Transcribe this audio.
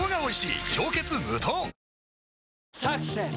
あ「サクセス」